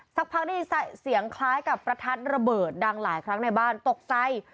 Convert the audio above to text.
สักพักได้ยินเสียงคล้ายกับประทัดระเบิดดังหลายครั้งในบ้านตกใจ